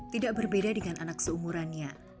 tidak berbeda dengan anak seumurannya